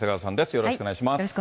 よろしくお願いします。